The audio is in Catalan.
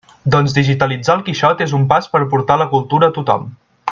Doncs digitalitzar el Quixot és un pas per a portar la cultura a tothom.